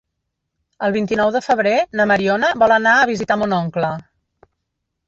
El vint-i-nou de febrer na Mariona vol anar a visitar mon oncle.